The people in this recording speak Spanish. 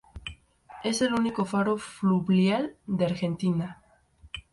Es el único faro fluvial de Argentina.